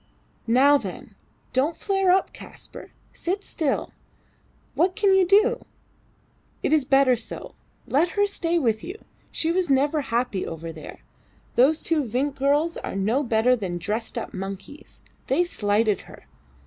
Now, then! Don't flare up, Kaspar. Sit still. What can you do? It is better so. Let her stay with you. She was never happy over there. Those two Vinck girls are no better than dressed up monkeys. They slighted her.